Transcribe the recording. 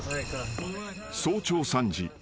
［早朝３時］